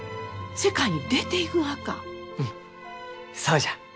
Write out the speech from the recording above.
うんそうじゃ！